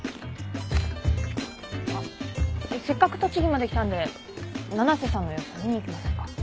あっせっかく栃木まで来たんで七瀬さんの様子見に行きませんか？